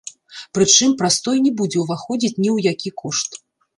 Прычым, прастой не будзе ўваходзіць ні ў які кошт.